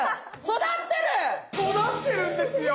育ってるんですよ。